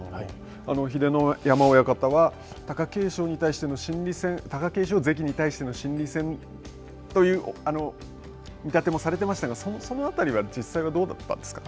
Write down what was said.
秀ノ山親方は貴景勝に対しての心理戦、貴景勝関に対しての心理戦という見立てもされていましたが、その辺りは、実際はどうだったんですか。